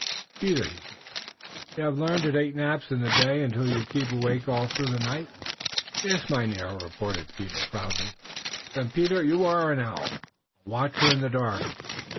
"Peter," he said, "you haf learned to take naps in the day und to keep awake all through the night?" "Yes, Mynheer," replied Peter, proudly. "Then, Peter, you vass an owl, a watcher in the dark."